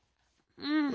うん。